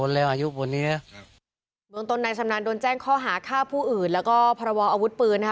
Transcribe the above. เมืองตนนายชำนาญโดนแจ้งค้าผู้อื่นและแพรววอาวุธปืน